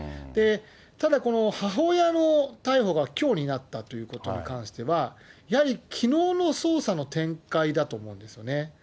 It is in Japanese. ただ、母親の逮捕がきょうになったということに関しては、やはりきのうの捜査の展開だと思うんですよね。